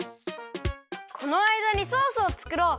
このあいだにソースをつくろう。